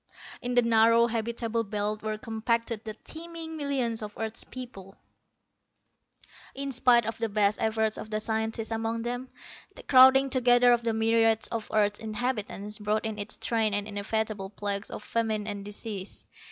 In the narrow habitable belt were compacted the teeming millions of earth's peoples._ _In spite of the best efforts of the scientists among them, the crowding together of the myriads of earth's inhabitants brought in its train the inevitable plagues of famine and disease.